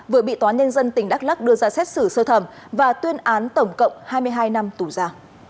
vừa bị tòa nhân dân tỉnh đắk lắc đưa ra xét xử sơ thẩm và tuyên án tổng cộng hai mươi hai năm tù ra